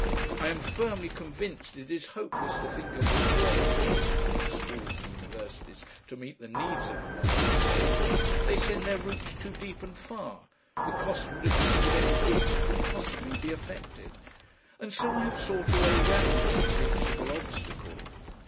I am firmly convinced it is hopeless to think of reforming the old public schools and universities to meet the needs of a modern state, they send their roots too deep and far, the cost would exceed any good that could possibly be effected, and so I have sought a way round this invincible obstacle.